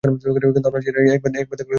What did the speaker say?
কিন্তু আপনার চেহারা একবার দেখলে ভুলা অসম্ভব।